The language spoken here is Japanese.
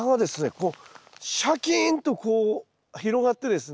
こうシャキーンとこう広がってですね